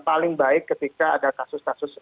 paling baik ketika ada kasus kasus